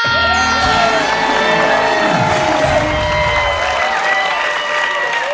ขอบคุณมากครับ